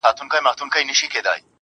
حالاتو دومره محبت کي راگير کړی يمه,